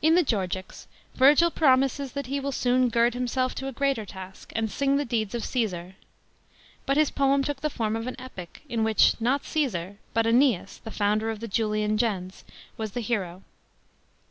In the Georgics, Virgil promises that he will soon gird himself to a greater task, and sing the deeds of Csesar. J But his poem took the form of an epic, in which, not Csesar, but ^Eneas, the founder of the Julian gens, was the hero.